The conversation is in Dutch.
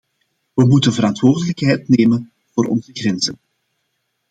We moeten verantwoordelijkheid nemen voor onze grenzen.